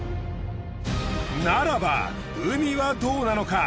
ならば海はどうなのか？